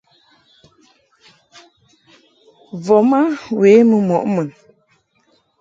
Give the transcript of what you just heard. Voma we mɨ mɔʼ mun.